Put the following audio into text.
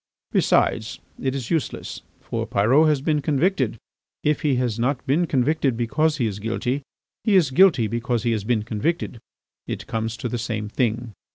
Besides, it is useless, for Pyrot has been convicted. If he has not been convicted because he is guilty, he is guilty because he has been convicted; it comes to the same thing.